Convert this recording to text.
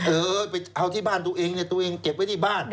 เออไปเอาที่บ้านตัวเองเนี่ยตัวเองเก็บไว้ที่บ้าน